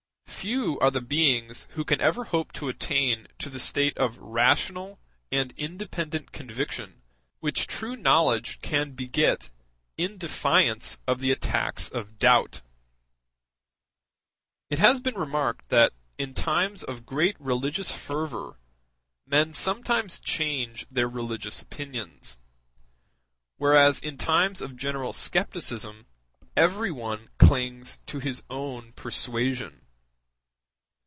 Few are the beings who can ever hope to attain to that state of rational and independent conviction which true knowledge can beget in defiance of the attacks of doubt. It has been remarked that in times of great religious fervor men sometimes change their religious opinions; whereas in times of general scepticism everyone clings to his own persuasion.